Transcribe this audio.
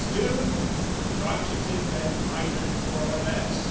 "'Still rocheted and mitred more or less?